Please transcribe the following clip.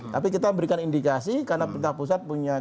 tapi kita memberikan indikasi karena pemerintah pusat punya kewajiban